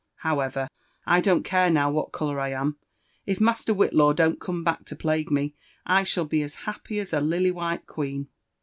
However, I don't care now what colour I am : if Master Whitlaw don't come back to plague me, I shall be as happy as a lily white queen."